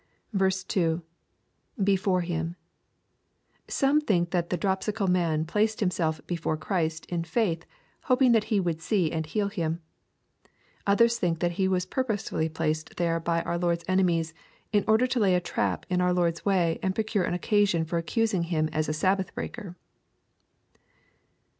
2 — [Be/ore him.] Some think that the dropsical man placed himself " before Christ" in faith, hoping that he would see and heal him. Others think that he was purposely placed there by our Lord's enemies, in order to lay a trap in our Lord's way, and procure an occasion of accusing him aa a Sabbath breaker.